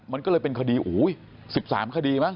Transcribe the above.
มันก็เลยเป็นคดี๑๓คดีมั